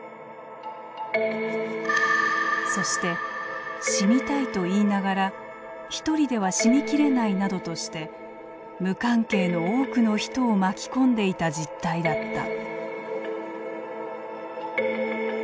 そして「死にたい」と言いながら一人では死にきれないなどとして無関係の多くの人を巻き込んでいた実態だった。